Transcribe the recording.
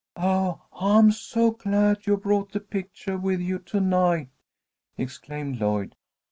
"Oh, I'm so glad you brought the pictuah with you to night!" exclaimed Lloyd.